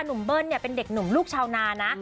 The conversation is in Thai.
เบิ้ลเป็นเด็กหนุ่มลูกชาวนานะ